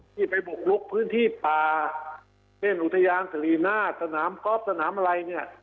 ที่ไปบุกลุกพื้นที่ป่าเช่นอุทยานศรีหน้าสนามกอล์ฟสนามอะไรเนี่ย